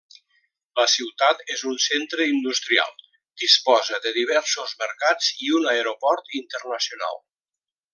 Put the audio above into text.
La ciutat és un centre industrial, disposa de diversos mercats i un aeroport internacional.